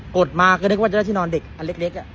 กดมาก็จะได้ที่นอนเด็กอันเล็ก